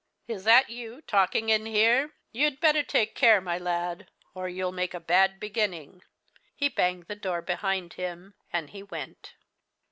"'Is that you talking in here? You'd better take care, my lad, or you'll make a bad beginning.' "He banged the door behind him and he went."